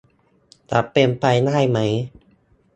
จะเป็นไปได้ไหม